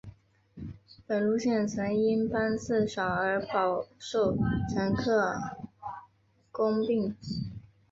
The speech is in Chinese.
本路线曾因班次少而饱受乘客诟病。